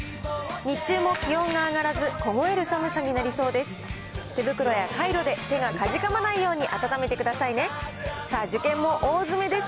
日中も気温が上がらず、凍える寒さになりそうです。